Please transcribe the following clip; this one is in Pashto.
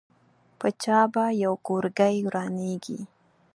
په چا به یو کورګۍ ورانېږي.